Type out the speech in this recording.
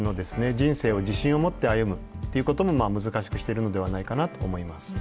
人生を自信を持って歩むっていうことも難しくしてるのではないかなと思います。